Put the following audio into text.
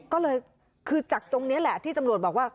ก็เลยคือจากตรงนี้แหละที่ตำรวจบอกว่า